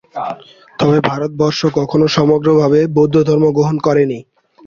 তবে ভারতবর্ষ কখনও সমগ্রভাবে বৌদ্ধধর্ম গ্রহণ করেনি।